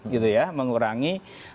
gitu ya mengurangi